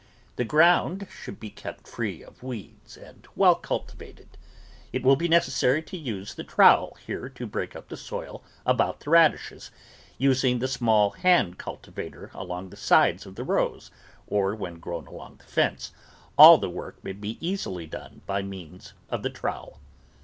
The ground should be kept free of weeds and well cultivated. It will be necessary to use the trowel here to break up the soil about the radishes, using the small hand cultivator along the sides of the rows, or when grown along the fence, all the work may be easily done by means of the trowel.